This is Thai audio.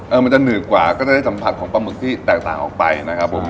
มันจะหนืดกว่าก็จะได้สัมผัสของปลาหมึกที่แตกต่างออกไปนะครับผม